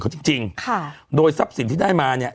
เขาจริงโดยทรัพย์สินที่ได้มาเนี่ย